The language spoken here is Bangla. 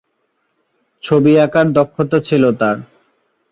ছবি আঁকার দক্ষতা ছিল তার।